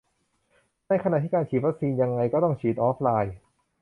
ในขณะที่การฉีดวัคซีน ยังไงก็ต้องฉีดออฟไลน์